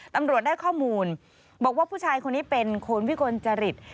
ตำรวจได้ข้อมูลบอกว่าผู้ชายคนนี้เป็นคนวิกลจริต